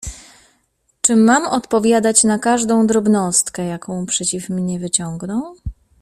— Czy mam odpowiadać na każdą drobnostkę, jaką przeciw mnie wyciągną?